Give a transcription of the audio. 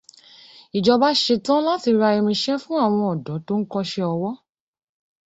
Ìjọba ṣetán láti ra irinṣẹ́ fún àwọn ọ̀dọ́ tó ń kọ́ṣẹ́ ọwọ.